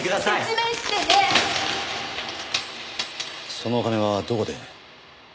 そのお金はどこで？